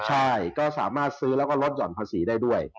ใช่ก็สามารถซื้อแล้วก็ลดห่อนภาษีได้ด้วย